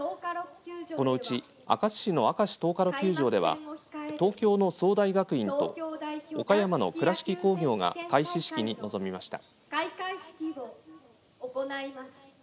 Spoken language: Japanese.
このうち明石市の明石トーカロ球場では東京の早大学院と岡山の倉敷工業が開始式に臨みました。